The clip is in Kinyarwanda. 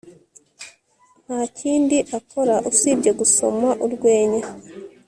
Nta kindi akora usibye gusoma urwenya